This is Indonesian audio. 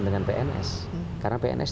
dengan pns karena pns